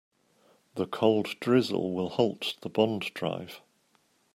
The cold drizzle will halt the bond drive.